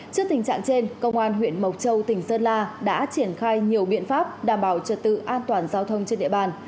trước tình trạng trên công an huyện mộc châu tỉnh sơn la đã triển khai nhiều biện pháp đảm bảo trật tự an toàn giao thông trên địa bàn